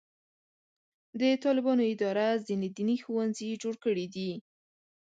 د طالبانو اداره ځینې دیني ښوونځي جوړ کړي دي.